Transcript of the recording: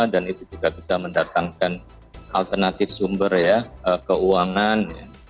dan itu juga bisa mendatangkan alternatif sumber keuangan